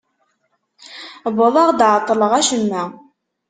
Wwḍeɣ-d εeṭṭleɣ acemma.